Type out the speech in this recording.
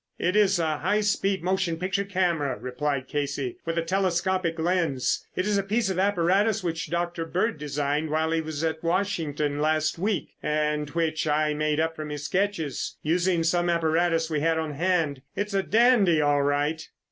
"It is a high speed motion picture camera," replied Casey, "with a telescopic lens. It is a piece of apparatus which Dr. Bird designed while he was in Washington last week and which I made from his sketches, using some apparatus we had on hand. It's a dandy, all right."